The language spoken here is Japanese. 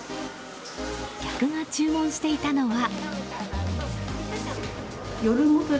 客が注文していたのは。